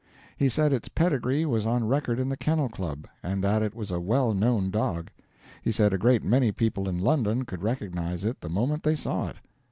He said its pedigree was on record in the Kennel Club, and that it was a well known dog. He said a great many people in London could recognize it the moment they saw it.